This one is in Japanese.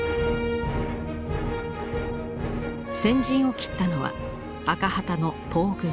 先陣を切ったのは赤旗の東軍。